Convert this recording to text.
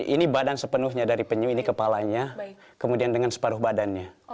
ini badan sepenuhnya dari penyu ini kepalanya kemudian dengan separuh badannya